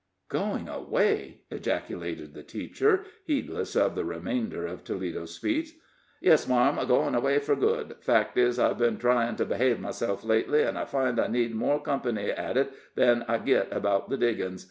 "Going away!" ejaculated the teacher, heedless of the remainder of Toledo's sentence. "Yes, marm; goin' away fur good. Fact is, I've been tryin' to behave myself lately, an' I find I need more company at it than I git about the diggin's.